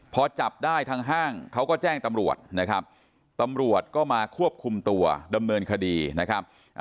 พอจับได้ทางห้างเขาก็แจ้งตำรวจนะครับตำรวจก็มาควบคุมตัวดำเนินคดีนะครับ